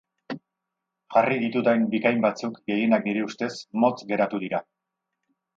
Jarri ditudan bikain batzuk, gehienak nire ustez, motz geratu dira.